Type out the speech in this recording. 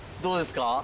どうですか？